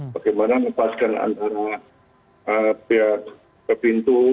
bagaimana mempaskan antara ya ke pintu